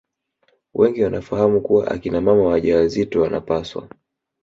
wengi wanafahamu kuwa akina mama wajawazito wanapaswa